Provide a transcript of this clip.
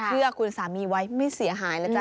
เชื่อคุณสามีไว้ไม่เสียหายแล้วจ้